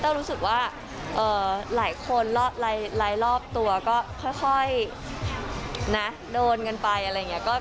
รู้สึกว่าหลายคนหลายรอบตัวก็ค่อยโดนกันไปอะไรอย่างนี้